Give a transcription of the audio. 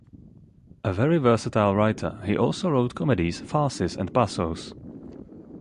A very versatile writer, he also wrote comedies, farces, and pasos.